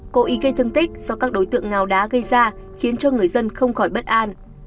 cố ý gây thương tích do các đối tượng ngào đá gây ra khiến cho người dân không khỏi bất an